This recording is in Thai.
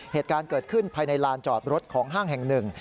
เหตุการณ์เกิดขึ้นภายในลานจอดรถของห้างแห่งหนึ่ง